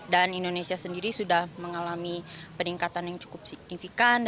dan indonesia sendiri sudah mengalami peningkatan yang cukup signifikan